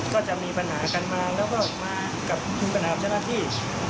กับคุณประนับเช่นอาทิตย์